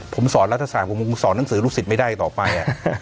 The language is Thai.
ผมสอนรัฐศาสตร์ผมคงสอนหนังสือลูกศิษย์ไม่ได้ต่อไป